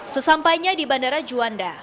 sesampainya di bandara juanda